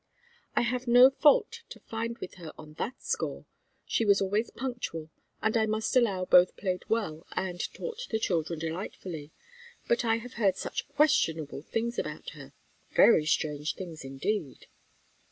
"I have no fault to find with her on that score. She was always punctual, and I must allow both played well and taught the children delightfully. But I have heard such questionable things about her! very strange things indeed!"